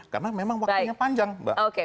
karena memang waktunya panjang mbak